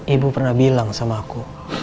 ibu pernah bilang sama aku